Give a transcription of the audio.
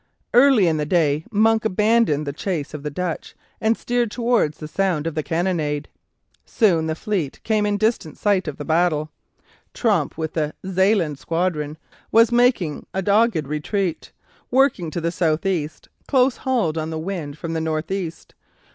Early in the day Monk abandoned the chase of the Dutch, and steered towards the sound of the cannonade. Soon the fleet came in distant sight of the battle. Tromp with the "Zealand squadron" was making a dogged retreat, working to the south east, close hauled on the wind from the north east.